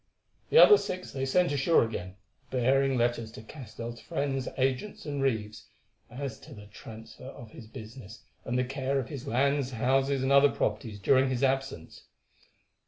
The other six they sent ashore again, bearing letters to Castell's friends, agents, and reeves, as to the transfer of his business and the care of his lands, houses, and other properties during his absence.